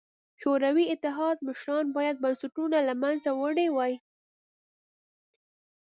شوروي اتحاد مشرانو باید بنسټونه له منځه وړي وای.